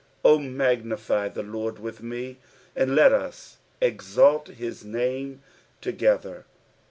3 O magnify the Lord with me, and let us exalt his name together.